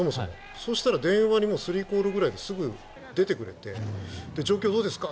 そしたら電話に３コールぐらいですぐ出てくれて状況どうですか？